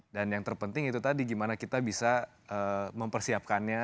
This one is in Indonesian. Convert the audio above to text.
dan yang terpenting itu tadi gimana kita bisa mempersiapkannya